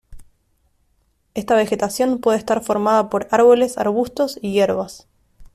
Esta vegetación puede estar formada por árboles, arbustos y hierbas.